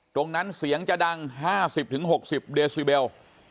ตรงนั้นเสียงจะดัง๕๐๖๐เดซิเบล